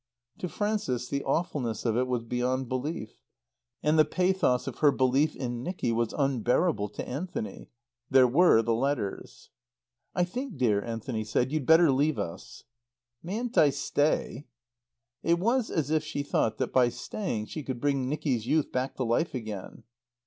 To Frances the awfulness of it was beyond belief. And the pathos of her belief in Nicky was unbearable to Anthony. There were the letters. "I think, dear," Anthony said, "you'd better leave us." "Mayn't I stay?" It was as if she thought that by staying she could bring Nicky's youth back to life again.